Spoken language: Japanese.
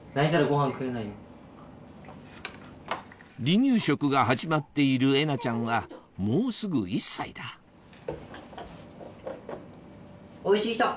離乳食が始まっているえなちゃんはもうすぐ１歳だうぅ。